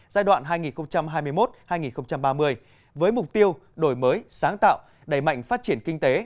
giai đoạn hai nghìn hai mươi một hai nghìn ba mươi với mục tiêu đổi mới sáng tạo đẩy mạnh phát triển kinh tế